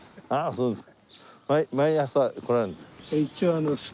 そうですか。